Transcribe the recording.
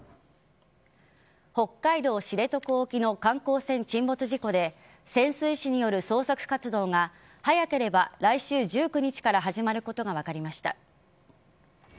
北海道知床沖の観光船沈没事故で潜水士による捜索活動が早ければ来週１９日から始まることが分かりました。